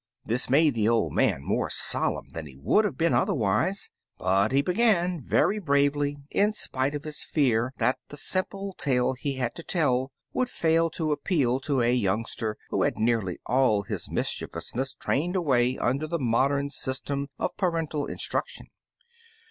This made the old man more solenm than he would have been 3^ Impty Umpty otherwise, but he began very bravely, in spite of his fear that the simple tale he had to tell would fail to appeal to a youngster who had had nearly all his mischievousness trained away under the modem system of parental instmction.